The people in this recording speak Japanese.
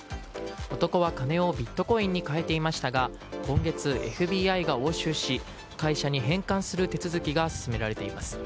男は金をビットコインに替えていましたが今月ＦＢＩが押収し会社に返還する手続きが進められています。